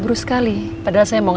terus kita akan beri air ke teman mu